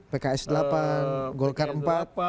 pks delapan golkar empat